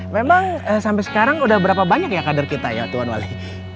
memang sampai sekarang udah berapa banyak ya kader kita ya tuhan wali